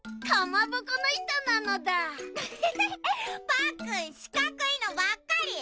パックンしかくいのばっかり！